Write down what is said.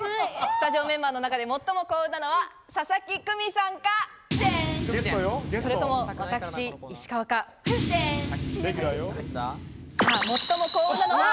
スタジオメンバーの中で最も幸運なのは佐々木久美さんか、それとも私石川か、さあ最も幸運なのは？